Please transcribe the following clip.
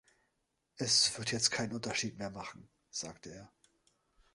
„Es wird jetzt keinen Unterschied mehr machen“, sagte er.